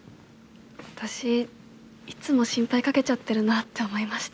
私いつも心配かけちゃってるなって思いまして。